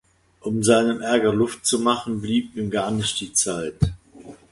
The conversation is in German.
Um seinem Ärger Luft zu machen, blieb ihm gar nicht die Zeit.